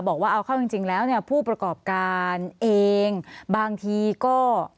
บอกว่าเอาเข้าจริงแล้วเนี่ยผู้ประกอบการเองบางทีก็